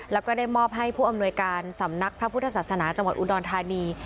แล้วก็ได้มอบให้ผู้อำนวยการสำนักพระพุทธศาสนาจังหวัดอุดรธานี